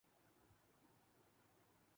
کراچی میں press conference کے دوران